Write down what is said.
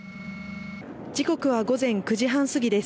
時刻は午前９時半過ぎです。